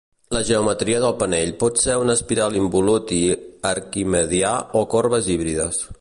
La geometria del penell pot ser un espiral involut i arquimedià o corbes híbrides.